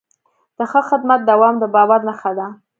د ښه خدمت دوام د باور نښه ده.